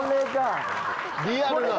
リアルな！